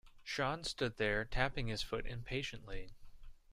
Sean stood there tapping his foot impatiently.